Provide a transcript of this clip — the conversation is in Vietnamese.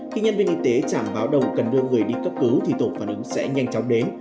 khi nhân viên y tế chảm báo đầu cần đưa người đi cấp cứu thì tổ phản ứng sẽ nhanh chóng đến